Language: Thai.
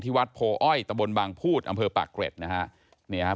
ที่วัดโภอ้อยตะบนบังพูดอำเภอปากแกร็ดนะครับ